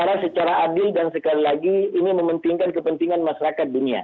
secara adil dan sekali lagi ini mementingkan kepentingan masyarakat dunia